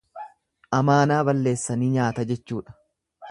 Amaanaa balleessa ni nyaata jechuudha.